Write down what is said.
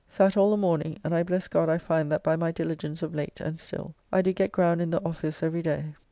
Sat all the morning, and I bless God I find that by my diligence of late and still, I do get ground in the office every day.